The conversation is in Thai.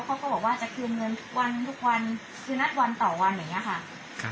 เขาก็บอกว่าจะคืนเงินทุกวันทุกวันคือนัดวันต่อวันอย่างนี้ค่ะ